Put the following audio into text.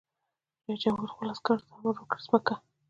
رئیس جمهور خپلو عسکرو ته امر وکړ؛ ځمکه!